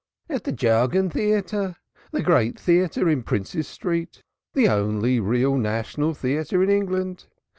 "At the Jargon Theatre, the great theatre in Prince's Street, the only real national theatre in England.